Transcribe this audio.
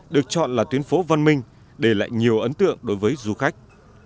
được chọn là tuyến phố văn minh để lại nhiều ấn tượng đối với du khách